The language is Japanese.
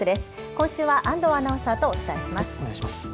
今週は安藤アナウンサーとお伝えします。